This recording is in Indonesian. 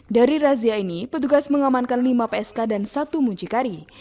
dari razia ini petugas mengamankan lima psk dan satu muncikari